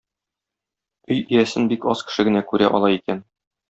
Өй иясен бик аз кеше генә күрә ала икән.